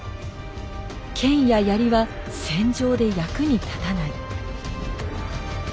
剣や槍は戦場で役に立たない」。